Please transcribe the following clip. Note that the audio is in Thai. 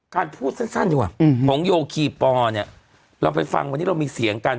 การพูดสั้นดีกว่าของโยคีปอเนี่ยเราไปฟังวันนี้เรามีเสียงกัน